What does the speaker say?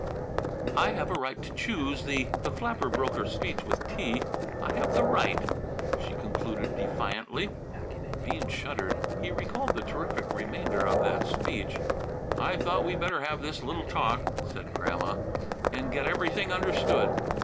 "I have a right to choose the " The flapper broke her speech with tea. "I have the right," she concluded defiantly. Bean shuddered. He recalled the terrific remainder of that speech. "I thought we better have this little talk," said Grandma, "and get everything understood."